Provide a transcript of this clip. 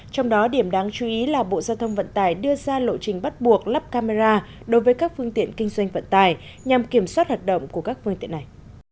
trong đó điểm đáng chú ý là bộ giao thông vận tải đưa ra lộ trình bắt buộc lắp camera đối với các phương tiện kinh doanh vận tải nhằm kiểm soát hoạt động của các phương tiện này